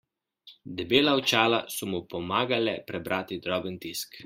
Debela očala so mu pomagale prebrati droben tisk.